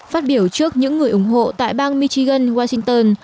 phát biểu trước những người ủng hộ tại bang michigan washington